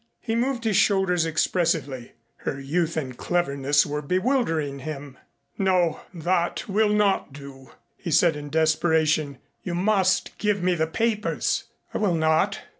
He moved his shoulders expressively. Her youth and cleverness were bewildering him. "No, that will not do," he said in desperation. "You must give me the papers." "I will not.